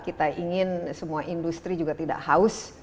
kita ingin semua industri juga tidak haus